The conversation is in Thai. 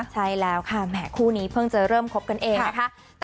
ใช่แล้วค่ะแหมคู่นี้เพิ่งจะเริ่มคบกันเองนะคะ